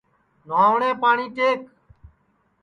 نہواٹؔے پاٹؔی ٹیک